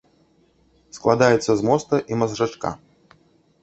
Складаецца з моста і мазжачка.